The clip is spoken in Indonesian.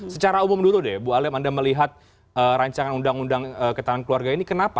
secara umum dulu deh bu alim anda melihat rancangan undang undang ketahanan keluarga ini kenapa